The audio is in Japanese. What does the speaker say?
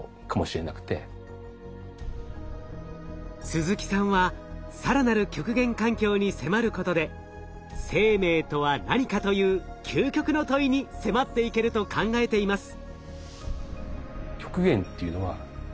鈴木さんは更なる極限環境に迫ることで「生命とは何か」という究極の問いに迫っていけると考えています。